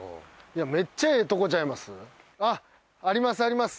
めっちゃええとこちゃいます？